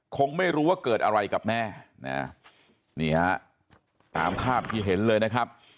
คงไม่รู้ว่าเกิดอะไรกับแม่นะนี่ฮะตามภาพที่เห็นเลยนะครับ